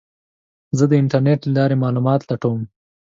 زه د انټرنیټ له لارې معلومات لټوم.